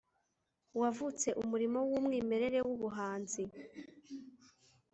wavutse umurimo wumwimerere wubuhanzi